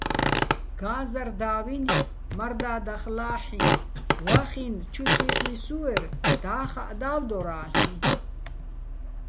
გა́ზარ დავინი̆, მარდა́დახ ლა́ჰ̦იჼ: ვახინო̆ ჩუ თუჲჰ̦ვისუ́ერ და́ხაჸ და́ვდორ-ა́ლ'იჼ.